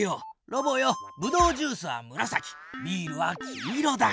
ロボよブドウジュースはむらさきビールは黄色だ！